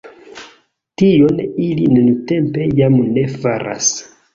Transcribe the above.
Tion ili nuntempe jam ne faras.